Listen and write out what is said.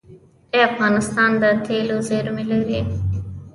آیا افغانستان د تیلو زیرمې لري؟